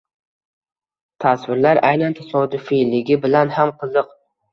Tasvirlar aynan tasodifiyligi bilan ham qiziq